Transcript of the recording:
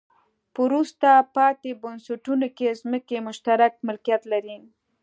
په وروسته پاتې بنسټونو کې ځمکې مشترک ملکیت لري.